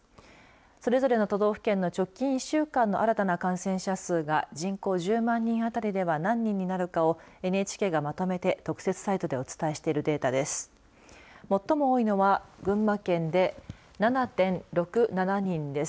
それぞれの都道府県の直近１週間の新たな感染者数が人口１０万人あたりでは何人になるかをＮＨＫがまとめて特設サイトでお伝えしているデータです。